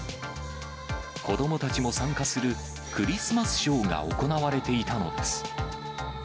子どもたちも参加するクリスマスショーが行われていたのです。